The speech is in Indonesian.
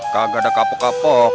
kagak ada kapok kapok